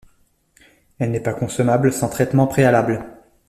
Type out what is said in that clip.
Elle n'est pas consommable sans traitement préalable.